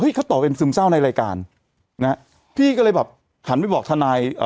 เฮ้ยเขาต่อเป็นซึมเศร้าในรายการพี่ก็เลยแบบหันไปบอกทนาย